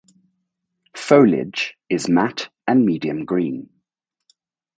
Foliage is matte and medium green.